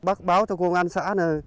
bác báo cho công an xã